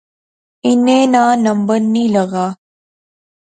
انیں ناں نمبر نی لغا